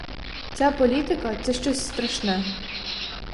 Ця політика — це щось страшне.